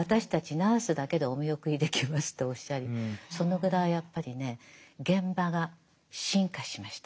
ナースだけでお見送りできますっておっしゃりそのぐらいやっぱりね現場が進化しました。